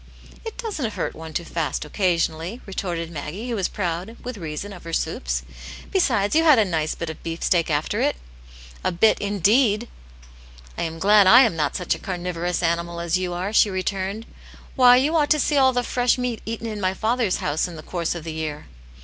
" It doesn't hurt one to fast occasionally," re torted Maggie, who was proud, with reason, of her soups. "Besides, you had a nice bit of beefsteak after it. Atiut pane's Hero. 121 "A bit indeed f" " I am glad I am not such a carnivorous animal as you are," she returned. " Why, you ought to see all the fresh meat eaten in my father's house in the course of the year."